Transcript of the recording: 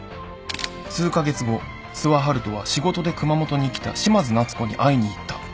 数カ月後諏訪遙人は仕事で熊本に来た嶋津奈都子に会いに行った。